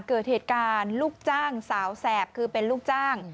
เกิดเหตุการณ์ลูกจ้างสาวแสบคือเป็นลูกจ้าง